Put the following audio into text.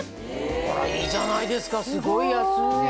いいじゃないですかすごい安い！